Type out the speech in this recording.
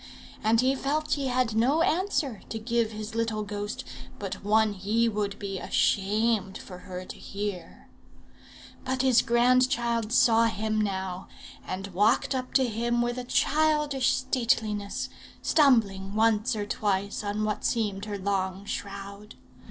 And he felt he had no answer to give his little ghost, but one he would be ashamed for her to hear. But his grandchild saw him now, and walked up to him with a childish stateliness, stumbling once or twice on what seemed her long shroud.